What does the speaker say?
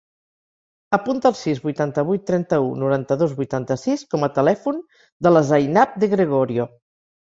Apunta el sis, vuitanta-vuit, trenta-u, noranta-dos, vuitanta-sis com a telèfon de la Zainab De Gregorio.